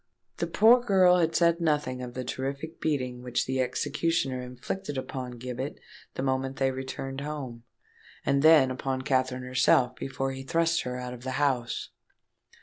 The poor girl had said nothing of the terrific beating which the executioner inflicted upon Gibbet the moment they returned home, and then upon Katherine herself before he thrust her out of the house.